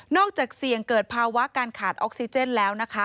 จากเสี่ยงเกิดภาวะการขาดออกซิเจนแล้วนะคะ